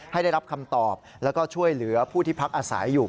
ได้รับคำตอบแล้วก็ช่วยเหลือผู้ที่พักอาศัยอยู่